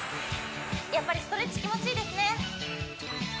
やっぱりストレッチ気持ちいいですね